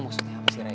maksudnya apa sih ray